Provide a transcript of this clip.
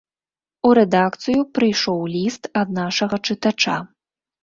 У рэдакцыю прыйшоў ліст ад нашага чытача.